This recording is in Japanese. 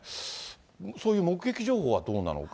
そういう目撃情報はどうなのか。